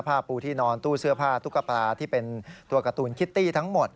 ผ้าปูที่นอนตู้เสื้อผ้าตุ๊กปลาที่เป็นตัวการ์ตูนคิตตี้ทั้งหมด